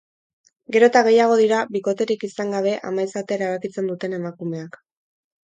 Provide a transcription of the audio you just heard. Gero eta gehiago dira bikoterik izan gabe ama izatea erabakitzen duten emakumeak.